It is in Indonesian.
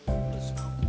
udah senang gue